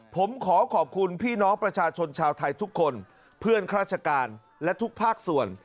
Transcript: ผมขอขอบคุณพี่น้องประชาชนชาวไทยทุกคนเพื่อนราชการและทุกภาคส่วน